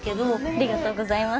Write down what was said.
ありがとうございます。